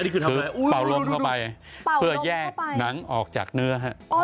คือเป่ารมเข้าไปเพื่อย่างหนังออกจากเนื้อ